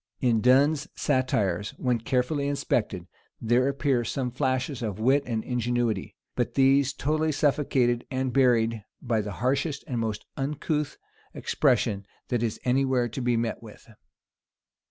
In Donne's satires, when carefully inspected, there appear some flashes of wit and ingenuity; but these totally suffocated and buried by the harshest and most uncouth expression that is any where to be met with.